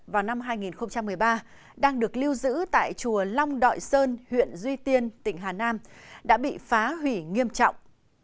vào năm hai nghìn một mươi ba đang được lưu giữ tại chùa long đoại sơn huyện duy tiên tỉnh hà nam đã bị phá hủy nghiêm trọng